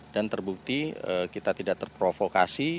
dan terbukti kita tidak terprovokasi